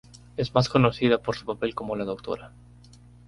Es más conocida por su papel como la Dra.